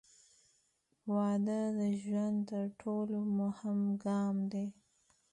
• واده د ژوند تر ټولو مهم ګام دی.